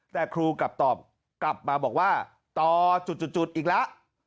แต่ครูกลับตอบกลับมาบอกว่าต่อจุดอีกแล้ว